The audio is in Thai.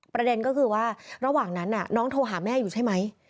ประเด็นก็คือว่าระหว่างนั้นน้องโทรหาแม่อยู่ใช่ไหม